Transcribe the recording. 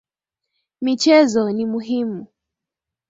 Michezo ni muhimu